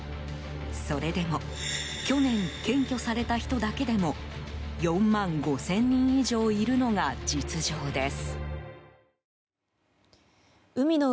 それでも去年検挙された人だけでも４万５０００人以上いるのが実情です。